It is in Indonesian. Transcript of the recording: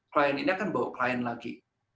klien ini akan bawa klien lagi